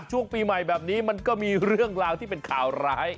ช่วงปีใหม่แบบนี้มันก็มีเรื่องราวที่เป็นข่าวร้าย